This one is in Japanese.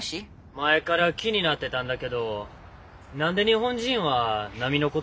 前から気になってたんだけど何で日本人は奈美のことを嫌うんだろう？